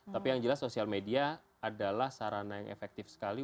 tapi yang jelas sosial media adalah sarana yang efektif sekali